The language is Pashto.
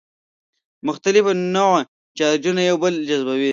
مختلف النوع چارجونه یو بل جذبوي.